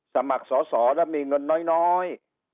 สมัครสอสอแล้วมีเงินน้อย